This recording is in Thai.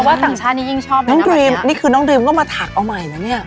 ว่าต่างชาตินี้ยิ่งชอบนะน้องดรีมนี่คือน้องดรีมก็มาถักเอาใหม่นะเนี่ย